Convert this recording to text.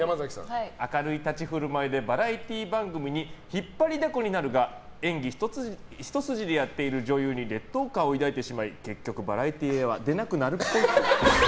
明るい立ち振る舞いでバラエティー番組で引っ張りだこになるが演技一筋でやっている女優に劣等感を抱いてしまい結局バラエティーは出なくなるっぽい。